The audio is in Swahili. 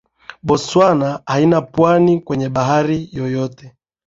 Botswana haina pwani kwenye bahari yoyote